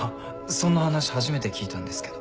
そんな話初めて聞いたんですけど。